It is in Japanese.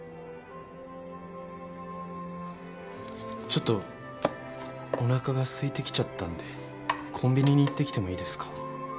ちょっとおなかがすいてきちゃったんでコンビニに行ってきてもいいですか？